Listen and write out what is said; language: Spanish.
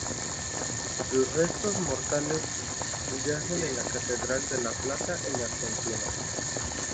Sus restos mortales yacen en la Catedral de La Plata, en Argentina.